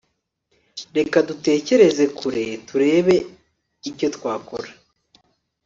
reka dutekereze kure turebe icyo twakora